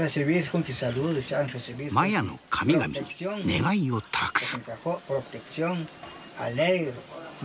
マヤの神々に願いを託す。